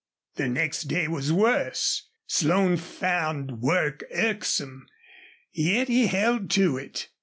The next day was worse. Slone found work irksome, yet he held to it.